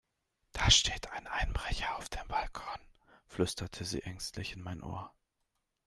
"Da steht ein Einbrecher auf dem Balkon", flüsterte sie ängstlich in mein Ohr.